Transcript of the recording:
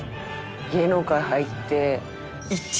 芸能界入って。